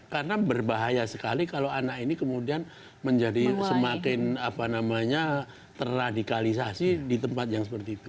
karena berbahaya sekali kalau anak ini kemudian menjadi semakin terradikalisasi di tempat yang seperti itu